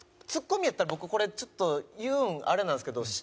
ツッコミやったら僕これちょっと言うんあれなんですけど。